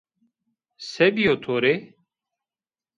Se bîyo to rê?